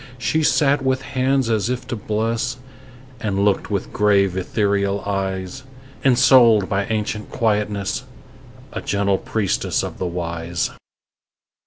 She sat with hands as if to bless, And looked with grave, ethereal eyes; Ensouled by ancient quietness, A gentle priestess of the Wise.